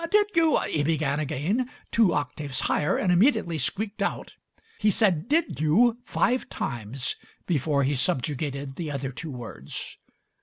"Did you " he began again, two oc taves higher, and immediately squeaked out. He said "Did you" five times before he subjugated the other two words.